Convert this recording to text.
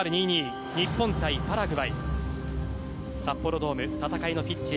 日本対パラグアイ。札幌ドーム、戦いのピッチ